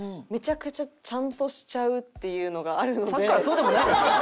さっきからそうでもないですよ。